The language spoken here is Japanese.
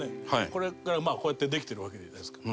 これからまあこうやってできてるわけじゃないですか。